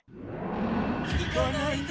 行かないで。